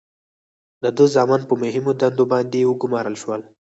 د ده زامن په مهمو دندو باندې وګمارل شول.